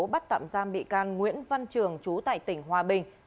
bắt tạm giam bị can nguyễn văn trường chú tại tỉnh hòa bình